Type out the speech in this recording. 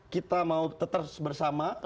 kita mau tetap bersama